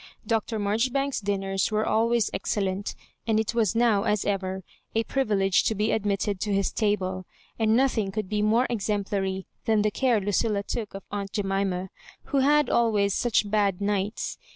Dr. Marjoribanks's dinners were always excellent, and it was now, as ever, a pri vilege to be admitted to his table, and nothing oould be more exemplary than the care Lucilla took of aunt Jemima, who had always such bad nights.